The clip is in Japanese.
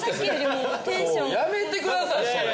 もうやめてくださいそれ！